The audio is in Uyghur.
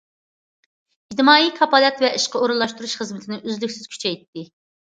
ئىجتىمائىي كاپالەت ۋە ئىشقا ئورۇنلاشتۇرۇش خىزمىتىنى ئۈزلۈكسىز كۈچەيتتى.